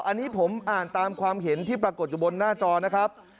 อันนี้ผมอ่านตามความเห็นที่ปรากฏอยู่บนหน้าจอนะครับ